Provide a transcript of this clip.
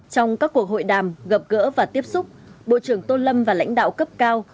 trong các cuộc hội đàm gặp gỡ và tiếp xúc bộ trưởng tô lâm và lãnh đạo cấp cao